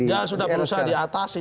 ya sudah berusaha diatasi